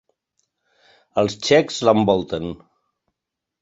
Els txecs l'envolten.